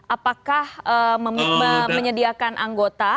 apakah menyediakan anggota